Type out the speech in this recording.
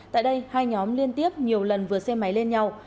tại đây hai nhóm liên tiếp nhiều lần vượt xe máy lên nhau